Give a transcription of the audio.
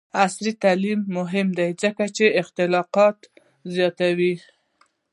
عصري تعلیم مهم دی ځکه چې خلاقیت زیاتوي.